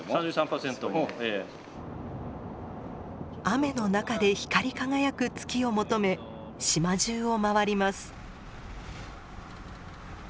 雨の中で光り輝く月を求め島中を回ります。